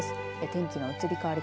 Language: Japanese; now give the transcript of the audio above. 天気の移り変わり